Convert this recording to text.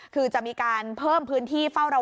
คือจะมีการเพิ่มพื้นที่เฝ้าระวัง